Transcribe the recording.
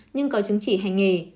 nhưng có chứng chỉ hành nghiệm